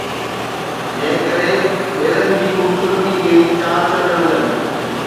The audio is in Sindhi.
جنهن ڪري ٻيلن جي خوبصورتي کي چار چنڊ لڳن